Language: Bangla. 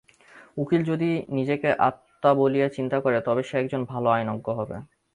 উকিল যদি নিজেকে আত্মা বলিয়া চিন্তা করে, তবে সে একজন ভাল আইনজ্ঞ হইবে।